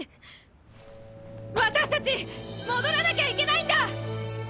私達戻らなきゃいけないんだ！